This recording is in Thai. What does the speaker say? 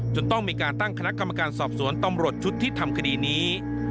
จนต้องมีการตั้งคณะกรรมการสอบสวนตำรวจชุดที่ทำคดีนี้